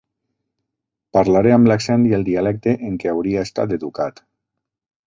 Parlaré amb l'accent i el dialecte en què hauria estat educat.